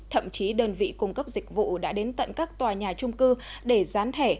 thậm chí đơn vị cung cấp dịch vụ đã đến tận các tòa nhà trung cư để gián thẻ